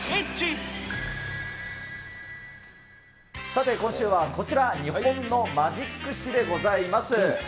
さて、今週はこちら、日本のマジック史でございます。